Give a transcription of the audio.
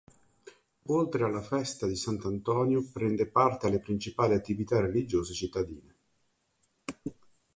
Oltre alla festa di Sant'Antonio prende parte alle principali attività religiose cittadine.